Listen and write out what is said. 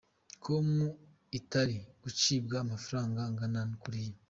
com itari gucibwa amafaranga angana kuriya.